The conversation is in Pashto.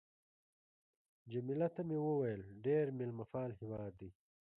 جميله ته مې وویل: ډېر مېلمه پال هېواد دی.